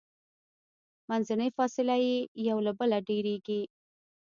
منځنۍ فاصله یې یو له بله ډیریږي.